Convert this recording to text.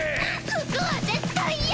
服は絶対嫌！